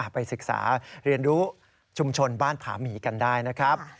ไปศึกษาเรียนรู้ชุมชนบ้านผาหมีกันได้นะครับ